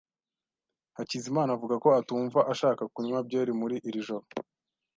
Hakizimana avuga ko atumva ashaka kunywa byeri muri iri joro.